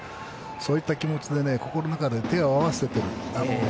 そういった気持ちで心の中で手を合わせている。